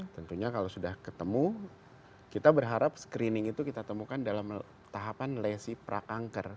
tentunya kalau sudah ketemu kita berharap screening itu kita temukan dalam tahapan lesi prakanker